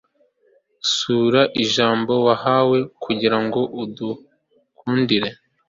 isura, nkijambo, wahawe kugirango udukundire